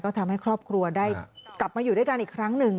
ทำให้ครอบครัวได้กลับมาอยู่ด้วยกันอีกครั้งหนึ่ง